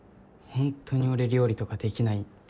ホントに俺料理とかできないって。